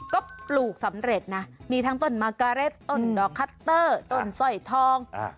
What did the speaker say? ก็ปลูกสำเร็จนะมีทั้งต้นมากาเร็ดต้นดอกคัตเตอร์ต้นสร้อยทอง